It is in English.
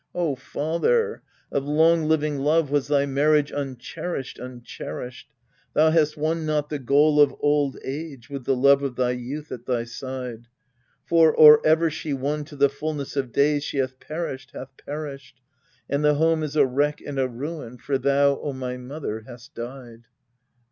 O father, of long living love was thy marriage uncher ished, uncherished : Thou hast won not the goal of old age with the love of thy youth at thy side ; For, or ever she won to the fulness of days she hath per ished, hath perished ; And the home is a wreck and a ruin, for thou, O my mother, hast died